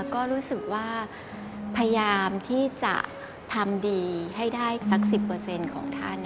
ก็รู้สึกว่าพยายามที่จะทำดีให้ได้สัก๑๐ของท่าน